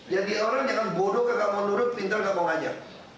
jadi orang yang bodoh gak mau nurut pintar gak mau ngajar